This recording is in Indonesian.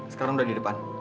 sekarang udah di depan